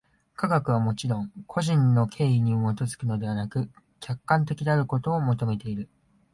科学はもちろん個人の肆意に基づくのでなく、客観的であることを求めている。